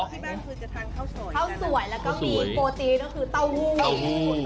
ที่บ้านคือจะทางข้าวสวยแล้วก็มีปกติก็คือเตาหู้